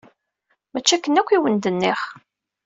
Mačči akken akk i wen-d-nniɣ!